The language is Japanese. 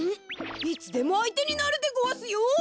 いつでもあいてになるでごわすよ！